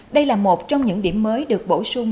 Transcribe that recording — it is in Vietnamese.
đây là một trong những điểm mới được bổ sung